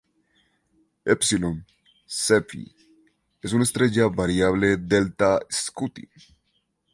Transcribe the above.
Épsilon Cephei es una estrella variable Delta Scuti.